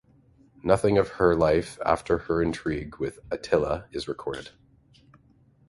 Nothing of her life after her intrigue with Attila is recorded.